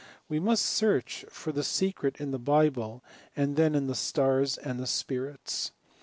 We must search for the secret in the Bible, and then in the stars and the spirits.